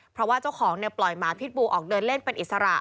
เพราะว่าเจ้าของปล่อยหมาพิษบูออกเดินเล่นเป็นอิสระ